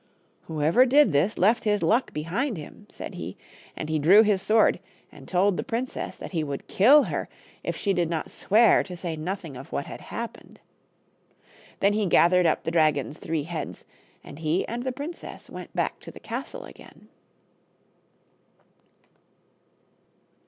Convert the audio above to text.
" Whoever did this left his luck behind him," said he, and he drew his sword and told the princess that he would kill her if she did not swear to say nothing of what had happened. Then he gathered up the dragon's three heads, and he and the princess went back to the castle again.